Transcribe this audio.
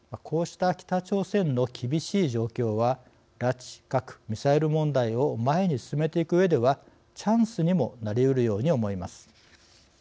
こうした北朝鮮の厳しい状況は拉致・核・ミサイル問題を前に進めていくうえではチャンスにもなりうるように思います。